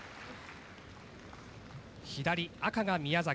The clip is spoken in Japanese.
「左赤が宮崎。